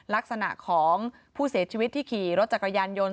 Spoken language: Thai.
ลักษณะของผู้เสียชีวิตที่ขี่รถจักรยานยนต์